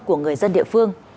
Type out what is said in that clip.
của người dân địa phương